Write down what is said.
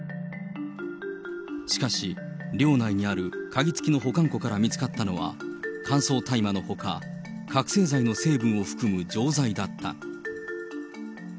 しかし、寮内にある鍵付きの保管庫から見つかったのは、乾燥大麻のほか、覚醒剤の成分を含む錠剤だった。